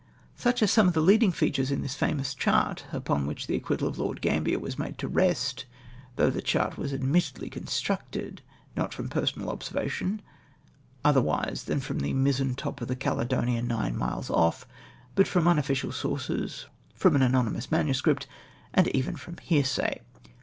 Such are some of the leading features of this fomous chart, upon which the acquittal of Lord Gambler was made to rest, though the chart was admittedly con structed— not from personal observation, otherwise than from the mizentop of the Caledonia^ nine miles off — but from unofficial sources — from an anonymous manuscript, and even fr Old hearsay